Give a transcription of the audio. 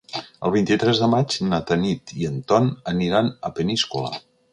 El vint-i-tres de maig na Tanit i en Ton aniran a Peníscola.